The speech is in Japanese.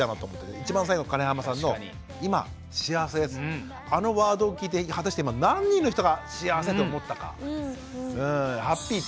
一番最後の金濱さんの「今幸せです」あのワードを聞いて果たして今何人の人が幸せって思ったか。